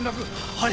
はい！